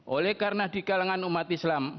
oleh karena di kalangan umat islam